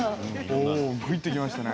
おおぐいっときましたね。